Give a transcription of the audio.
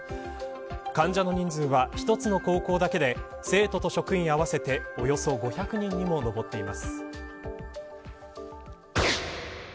患者の人数は一つの高校だけで生徒と職員合わせておよそ５００人にも上っています。